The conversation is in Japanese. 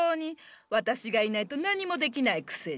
私がいないと何もできないくせに。